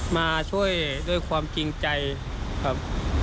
มาช่วยด้วยความจริงใจครับ